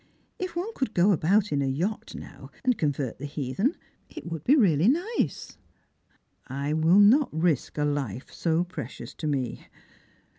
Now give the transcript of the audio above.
If one could go about in a yacht, now, and convert the heathen, it would be really nice." " I will not risk a life so precious to me.